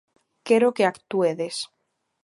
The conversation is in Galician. Quero que actuedes.